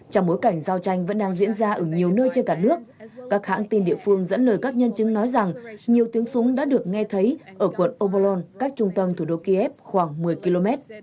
trong bối cảnh giao tranh vẫn đang diễn ra ở nhiều nơi trên cả nước các hãng tin địa phương dẫn lời các nhân chứng nói rằng nhiều tiếng súng đã được nghe thấy ở quận obolon cách trung tâm thủ đô kiev khoảng một mươi km